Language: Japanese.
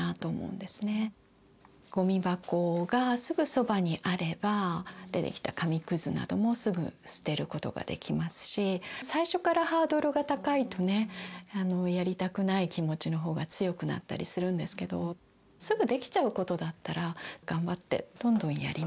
ゴミ箱がすぐそばにあれば出てきた紙くずなどもすぐ捨てることができますし最初からハードルが高いとねやりたくない気持ちの方が強くなったりするんですけどすぐできちゃうことだったら頑張ってどんどんやりますよね